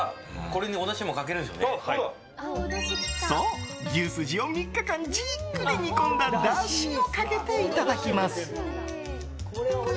そう、牛すじを３日間かけてじっくり煮込んだだしをかけていただきます。